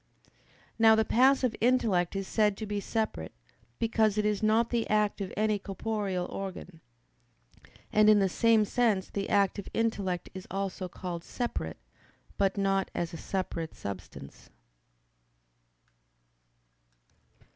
Now the passive intellect is said to be separate, because it is not the act of any corporeal organ. And in the same sense the active intellect is also called "separate"; but not as a separate substance.